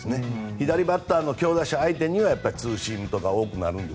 左バッターの強打者相手にはツーシームとか多くなるんです。